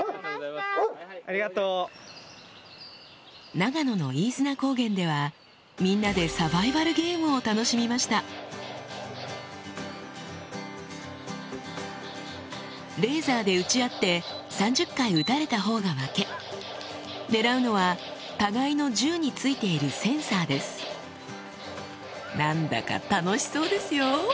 長野の飯綱高原ではみんなでサバイバルゲームを楽しみましたレーザーで撃ち合って３０回撃たれたほうが負け狙うのは互いの銃に付いているセンサーです何だか楽しそうですよ・